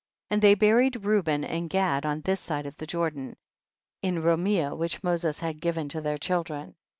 40. And they buried Reuben and Gad on this side Jordan, in Romia, which Moses had given to their chil dren.